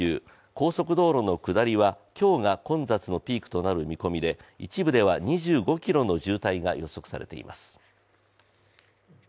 高速道路の下りは今日が混雑のピークとなる見込みで一部では２５ｋｍの渋滞が予測されています。